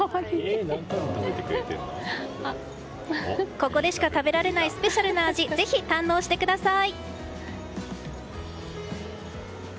ここでしか食べられないスペシャルな味をぜひ、堪能してください！